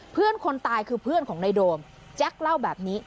เพื่อนคนตายคือเพื่อนของนายโดมแจ็คเล่าแบบนี้